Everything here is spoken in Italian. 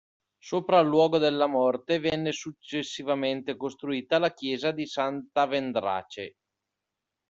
Sopra al luogo della morte venne successivamente costruita la chiesa di Sant'Avendrace.